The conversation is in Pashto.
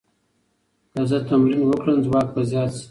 که زه تمرین وکړم، ځواک به زیات شي.